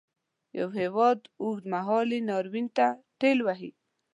یو هیواد اوږد مهالي ناورین ته ټېل وهي.